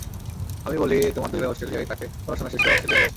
আমি বলি, তোমার দুই ভাই অস্ট্রেলিয়ায় থাকে, পড়াশোনা শেষ করে অস্ট্রেলিয়ায় যাও।